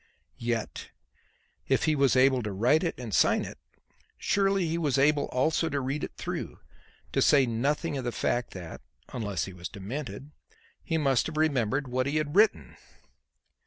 Yet, if he was able to write and sign it, surely he was able also to read it through, to say nothing of the fact that, unless he was demented, he must have remembered what he had written.